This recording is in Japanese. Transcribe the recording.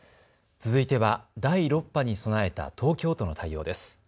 続いては第６波に備えた東京都の対応です。